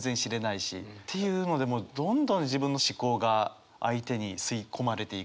っていうのでもうどんどん自分の思考が相手に吸い込まれていく。